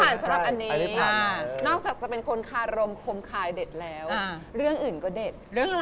นอกจากสมมุติว่าเป็นคนคารมอาจจะเด็ดแล้วเรื่องอื่นก็เด็ด